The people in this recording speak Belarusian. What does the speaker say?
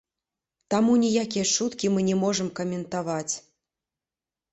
Таму ніякія чуткі мы не можам каментаваць.